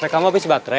tekan tombol baterai